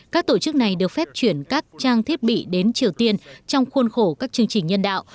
các tổ chức này được phép chuyển các trang thiết bị đến triều tiên trong khuôn khổ các chương trình nhân đạo